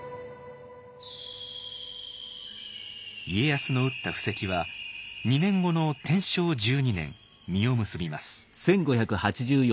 家康の打った布石は２年後の天正１２年実を結びます。